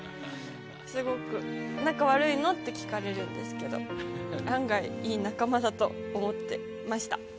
すごく、仲悪いの？って聞かれるんですけど、案外、いい仲間だと思ってました。